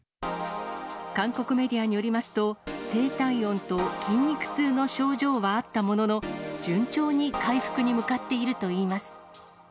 韓国メディアによりますと、低体温と筋肉痛の症状はあったものの、順調に回復に向かっているといいます。